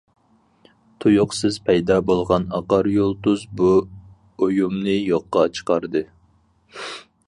تۇيۇقسىز پەيدا بولغان ئاقار يۇلتۇز بۇ ئويۇمنى يوققا چىقاردى.